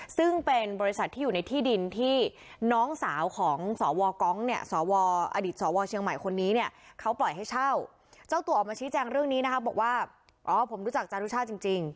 เข้าตัวออกมาชี้แจ้งเรื่องนี้นะคะบอกว่าอ้อผมรู้จักจารุชาธิ์จริง